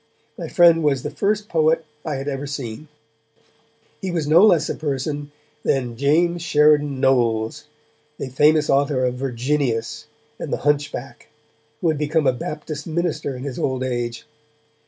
My friend was the first poet I had ever seen. He was no less a person than James Sheridan Knowles, the famous author of Virginius and The Hunchback, who had become a Baptist minister in his old age.